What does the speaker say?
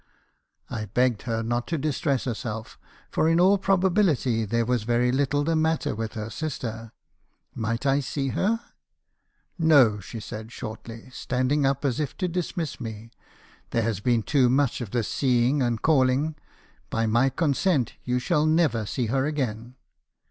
"I begged her not to distress herself, for in all probability there was very little the matter with her sister. Might I see her? U4 No!' she said, shortly, standing up as if to dismiss me. 4 There has been too much of this seeing and calling. By my consent, you shall never see her again.'